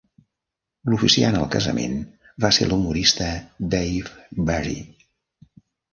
L'oficiant al casament va ser l'humorista Dave Barry.